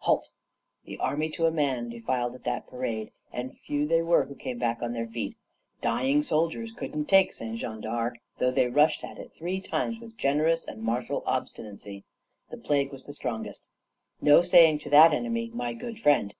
Halt! The army to a man defiled at that parade; and few they were who came back on their feet. Dying soldiers couldn't take Saint Jean d'Acre, though they rushed at it three times with generous and martial obstinacy. The Plague was the strongest. No saying to that enemy, 'My good friend.'